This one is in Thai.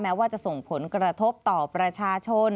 ว่าจะส่งผลกระทบต่อประชาชน